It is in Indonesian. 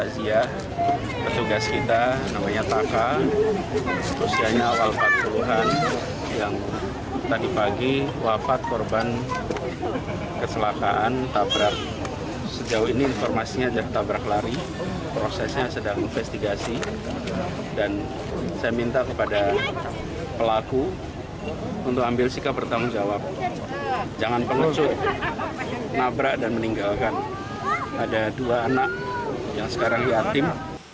jangan penelusur nabrak dan meninggalkan ada dua anak yang sekarang yatim